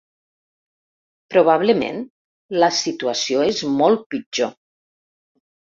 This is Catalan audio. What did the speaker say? Probablement, la situació és molt pitjor.